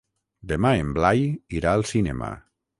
Demà en Blai irà al cinema.